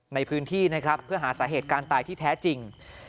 ในพื้นที่นะครับเพื่อหาสาเหตุการณ์ตายที่แท้จริง